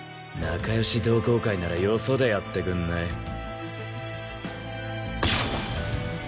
仲良し同好会ならよそでやってくんない？